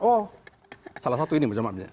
oh salah satu ini